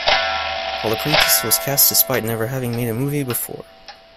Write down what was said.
Paula Prentiss was cast despite never having made a movie before.